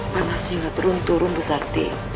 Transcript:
panasnya turun turun bu sarti